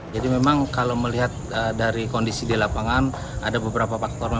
jadi memang kalau melihat dari kondisi di lapangan ada beberapa faktor